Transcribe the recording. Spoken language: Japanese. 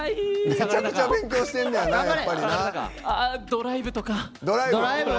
ドライブとか。